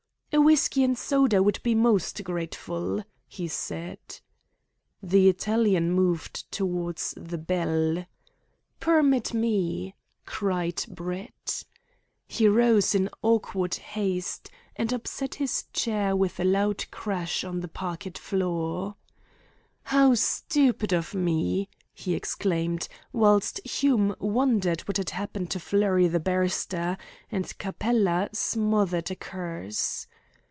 "A whisky and soda would be most grateful," he said. The Italian moved towards the bell. "Permit me!" cried Brett. He rose in awkward haste, and upset his chair with a loud crash on the parquet floor. "How stupid of me!" he exclaimed, whilst Hume wondered what had happened to flurry the barrister, and Capella smothered a curse.